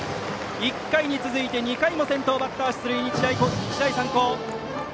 １回に続いて２回も先頭バッター出塁、日大三高。